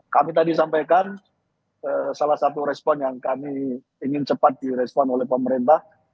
kami tadi sampaikan salah satu respon yang kami ingin cepat direspon oleh pemerintah